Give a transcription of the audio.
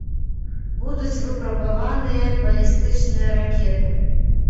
Будуць выпрабаваныя балістычныя ракеты.